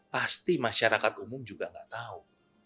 pasti masyarakat umum juga nggak tahu